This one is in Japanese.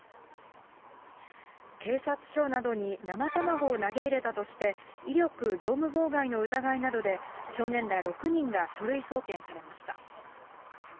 警察署などに生卵を投げ入れたとして、威力業務妨害の疑いなどで、少年ら６人が書類送検されました。